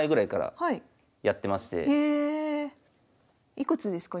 いくつですか？